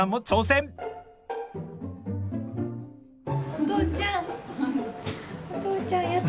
お父ちゃん。